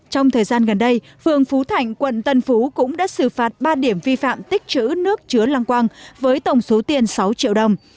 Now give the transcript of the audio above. trong thời gian gần đây phường phú thạnh quận tân phú cũng đã xử phạt ba điểm vi phạm tích chữ nước chứa lăng quang với tổng số tiền sáu triệu đồng